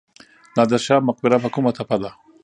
نادر شاه مقبره په کومه تپه ده؟